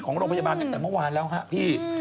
ของโรงพยาบาลตั้งแต่เมื่อวานแล้วครับพี่